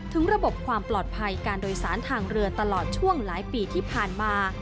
ระบบความปลอดภัยการโดยสารทางเรือตลอดช่วงหลายปีที่ผ่านมา